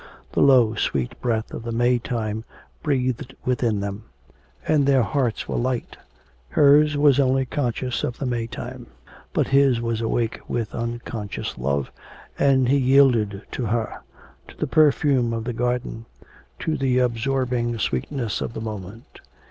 The low, sweet breath of the May time breathed within them, and their hearts were light; hers was only conscious of the May time, but his was awake with unconscious love, and he yielded to her, to the perfume of the garden, to the absorbing sweetness of the moment.